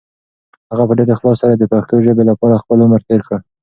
هغه په ډېر اخلاص سره د پښتو ژبې لپاره خپل عمر تېر کړ.